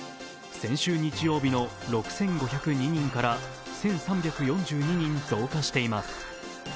先週日曜日の６５０２人から１３４２人増加しています。